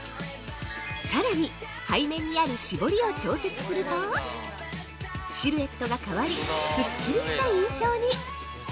◆さらに、背面にある絞りを調節すると、シルエットが変わり、すっきりした印象に！